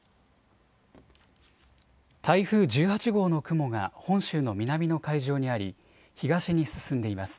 台風１８号の雲が本州の南の海上にあり東に進んでいます。